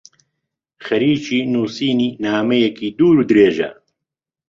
خەریکی نووسینی نامەیەکی دوورودرێژە.